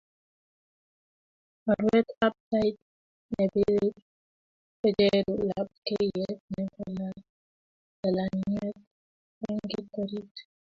urwet ab tait nebirir kocheru lapkeiyet nebo lalangyet eng kt orit